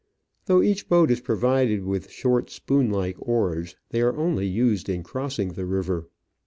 Though each boat is provided with short, spoon like oars, they are only used in crossing the river.